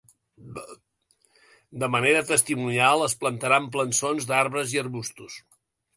De manera testimonial, es plantaran plançons d’arbres i arbustos.